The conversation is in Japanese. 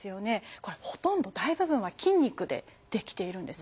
これほとんど大部分は筋肉で出来ているんですね。